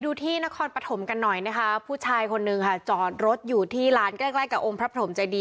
ดูที่นครปฐมกันหน่อยนะคะผู้ชายคนนึงจอดรถอยู่ที่ร้านใกล้กับอมพระปฐมใจดี